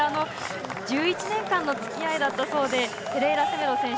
１１年間のつきあいだったそうでペレイラセメド選手